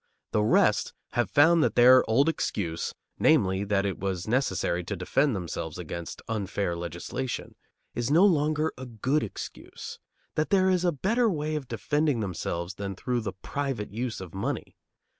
The rest have found that their old excuse (namely, that it was necessary to defend themselves against unfair legislation) is no longer a good excuse; that there is a better way of defending themselves than through the private use of money.